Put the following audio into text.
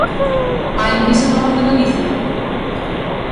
¿Á enquisa da Voz de Galicia?